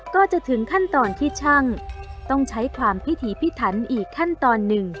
ก็จะถึงขั้นตอนที่ช่างต้องใช้ความพิถีพิถันอีกขั้นตอนหนึ่ง